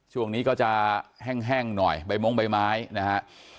ช่วงนี้ก็จะแห้งหน่อยใบมงใบไม้นะฮะ